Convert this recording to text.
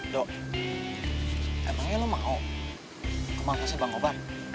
dok emangnya lo mau kemampuan si bang cobar